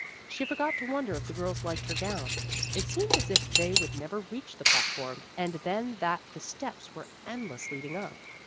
She forgot to wonder if the girls liked her gown. It seemed as if they would never reach the platform, and then that the steps were endless leading up.